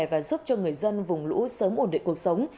và giúp cho người dân vùng lũ sớm ổn định cuộc sống